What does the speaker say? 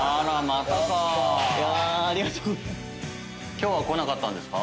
今日は来なかったんですか？